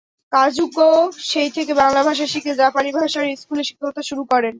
কাজুকো সেই থেকে বাংলা ভাষা শিখে জাপানি ভাষার স্কুলে শিক্ষকতা শুরু করেন।